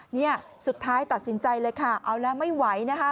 เนี่ยสุดท้ายตัดสินใจเลยค่ะเอาแล้วไม่ไหวนะคะ